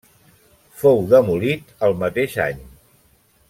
Fou demolit el mateix any.